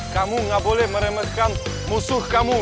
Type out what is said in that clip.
kamu gak boleh meremeskan musuh kamu